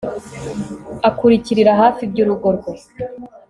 akurikirira hafi iby'urugo rwe